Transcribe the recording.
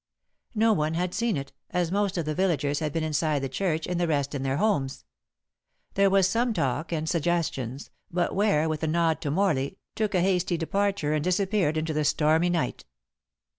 No one had seen it, as most of the villagers had been inside the church and the rest in their homes. There was some talk and suggestions, but Ware, with a nod to Morley, took a hasty departure and disappeared into the stormy night.